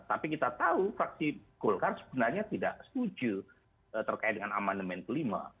tapi kita tahu fraksi golkar sebenarnya tidak setuju terkait dengan amandemen kelima